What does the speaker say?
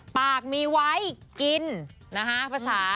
ปากมีไว้กินนะคะภาษา